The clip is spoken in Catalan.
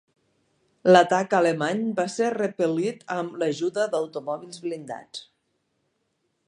L'atac alemany va ser repel·lit amb l'ajuda d'automòbils blindats.